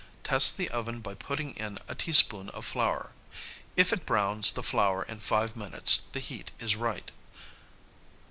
Test the oven by putting in a teaspoonful of flour. If it browns the flour in five minutes the heat is right.